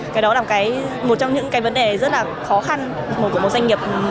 cái đó là một trong những vấn đề rất khó khăn của một doanh nghiệp